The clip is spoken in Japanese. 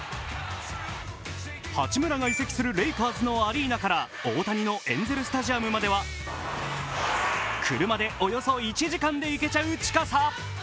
八村が移籍するレイカーズのアリーナから大谷のエンゼルスタジアムまでは車でおよそ１時間で行けちゃう近さ